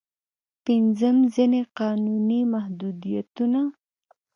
پنځم: ځينې قانوني محدودیتونه.